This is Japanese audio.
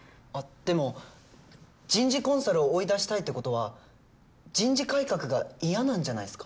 でも人事コンサルを追い出したいってことは人事改革が嫌なんじゃないっすか？